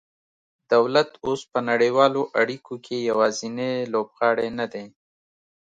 دولت اوس په نړیوالو اړیکو کې یوازینی لوبغاړی نه دی